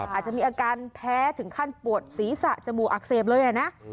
อาจจะมีอาการแพ้ถึงขั้นปวดศีรษะจมูกอักเสบเลยนะ